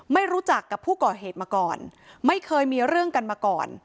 ไม่รู้จักกับผู้ก่อเหตุมาก่อนไม่เคยมีเรื่องกันมาก่อน